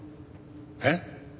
えっ？